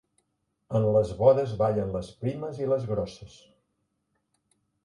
En les bodes ballen les primes i les grosses.